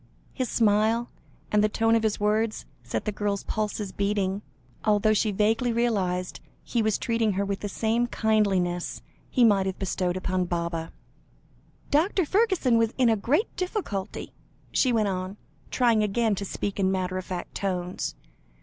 His smile, and the tone of his words, set the girl's pulses beating, although she vaguely realised he was treating her with the same kindliness, he might have bestowed upon Baba. "Dr. Fergusson was in a great difficulty," she went on, trying again to speak in matter of fact tones.